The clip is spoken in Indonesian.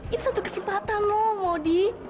ini satu kesempatan loh modi